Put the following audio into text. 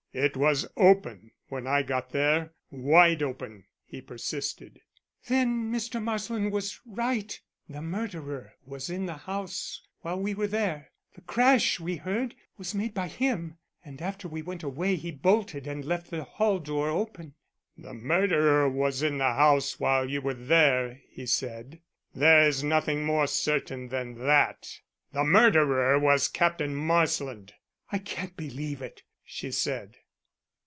"It was open when I got there wide open," he persisted. "Then Mr. Marsland was right. The murderer was in the house while we were there. The crash we heard was made by him, and after we went away he bolted and left the hall door open." "The murderer was in the house while you were there," he said. "There is nothing more certain than that. The murderer was Captain Marsland." "I can't believe it," she said.